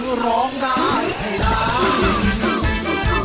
คือร้องได้ให้ร้าน